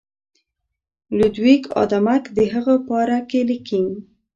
لودویک آدمک د هغه پاره کې لیکي.